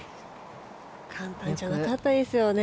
簡単じゃなかったですよね。